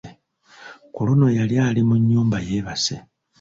Ku luno yali ali mu nnyumba yeebase.